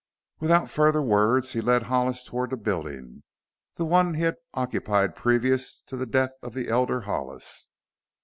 Without further words he led Hollis toward a building the one he had occupied previous to the death of the elder Hollis.